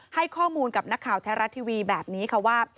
ให้ข้อมูลกับนักข่าวแท้รัฐทีวีแบบนี้ค่ะว่า